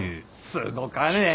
すごかね！